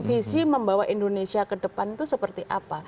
visi membawa indonesia ke depan itu seperti apa